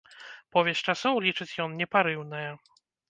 Повязь часоў, лічыць ён, непарыўная.